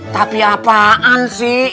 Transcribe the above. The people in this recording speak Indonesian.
tapi apaan sih